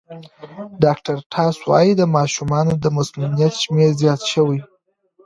ډاکټر ټاس وايي د ماشومانو د مسمومیت شمېر زیات شوی.